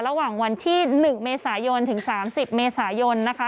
ระหว่างวันที่๑เมษายนถึง๓๐เมษายนนะคะ